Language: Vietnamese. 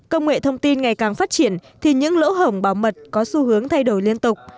công nghệ thông tin ngày càng phát triển thì những lỗ hổng bảo mật có xu hướng thay đổi liên tục